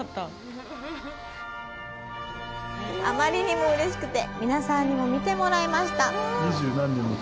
あまりにもうれしくて、皆さんにも見てもらいました！